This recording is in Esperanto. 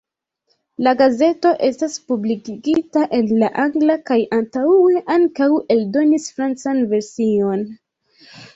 La gazeto estas publikigita en la angla kaj antaŭe ankaŭ eldonis francan version.